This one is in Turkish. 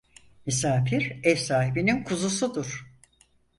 Misafir ev sahibinin kuzusudur.